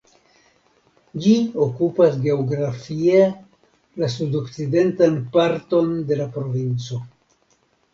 Ĝi okupas geografie la sudokcidentan parton de la provinco.